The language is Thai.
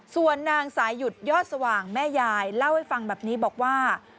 ส่วนนางสายหยุดยอดสว่างแม่ยายเล่าให้ฟังแบบนี้บอกว่า